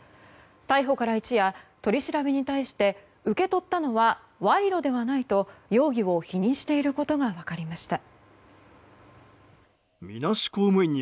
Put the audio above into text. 逮捕から一夜、取り調べに対して受け取ったのは賄賂ではないと容疑を否認していることが分かりました。